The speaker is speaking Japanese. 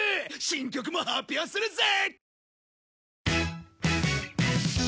新曲も発表するぜ！